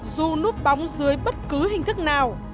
dù núp bóng dưới bất cứ hình thức nào